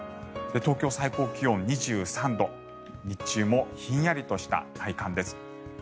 東京、最高気温２３度日中もひんやりとした体感です。